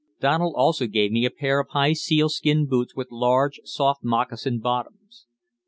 Donald also gave me a pair of high sealskin boots with large, soft moccasin bottoms.